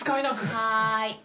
はい。